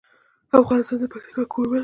افغانستان د پکتیکا کوربه دی.